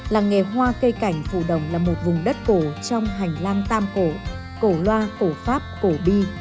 làng nghề hoa cây cảnh phù đồng là một vùng đất cổ trong hành lang tam cổ cổ loa cổ pháp cổ bi